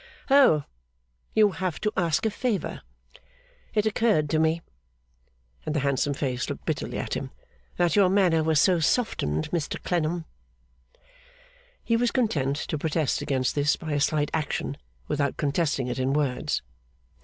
'Oh! You have to ask a favour! It occurred to me,' and the handsome face looked bitterly at him, 'that your manner was softened, Mr Clennam.' He was content to protest against this by a slight action without contesting it in words.